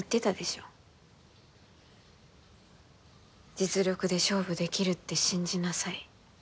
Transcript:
実力で勝負できるって信じなさい。